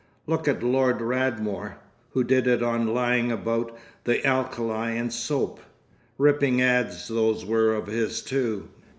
Look at Lord Radmore, who did it on lying about the alkali in soap! Rippin' ads those were of his too!"